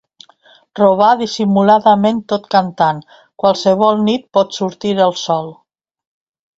Robar dissimuladament tot cantant “Qualsevol nit pot sortir el sol”.